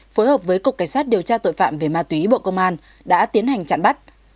phối hợp với cục cảnh sát điều tra tội phạm về ma túy bộ công an đã tiến hành chặn bắt